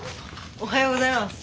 おはようございます。